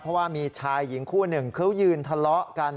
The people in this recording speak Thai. เพราะว่ามีชายหญิงคู่หนึ่งเขายืนทะเลาะกัน